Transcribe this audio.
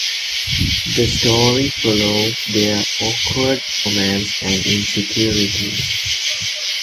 The story follows their awkward romance and insecurities.